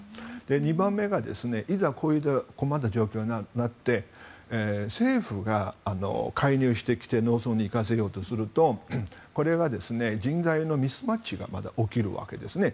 ２番目がいざ困った状況になって政府が介入してきて農村に行かせようとするとこれが、人材のミスマッチが起きるわけですね。